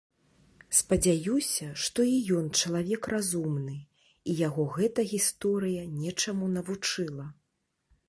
Спадзяюся, што і ён чалавек разумны, і яго гэта гісторыя нечаму навучыла.